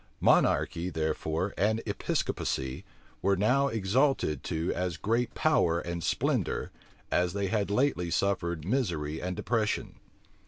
Monarchy, therefore, and Episcopacy, were now exalted to as great power and splendor as they had lately suffered misery and depression.